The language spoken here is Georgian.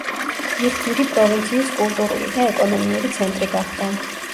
იღდირი პროვინციის კულტურული და ეკონომიური ცენტი გახდა.